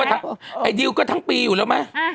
อายดิวก็ทั้งปีอยู่แล้วมั้ย